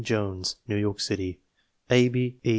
Jones, New York City Abby E.